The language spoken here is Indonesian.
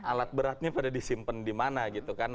alat beratnya pada disimpan di mana gitu kan